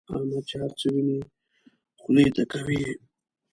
احمد چې هرڅه ویني خولې ته کوي یې.